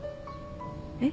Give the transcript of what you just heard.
えっ？